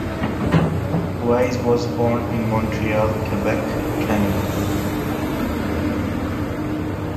Wise was born in Montreal, Quebec, Canada.